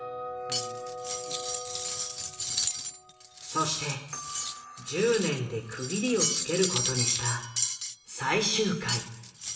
そして１０年で区切りをつけることにした最終回。